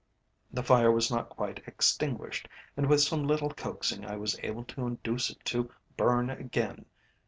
The fire was not quite extinguished, and with some little coaxing I was able to induce it to burn again.